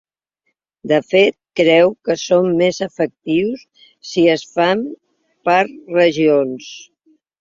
De fet, creu que són més efectius si es fan per regions.